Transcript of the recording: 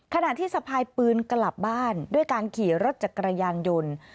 ขณะที่สะพายปืนกลับบ้านด้วยการขี่รถจักรยานยนต์